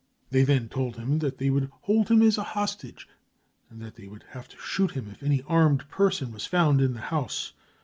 They then told him that they would hold him as a hostage, and that they would have to shoot him if any armed person was found in the house.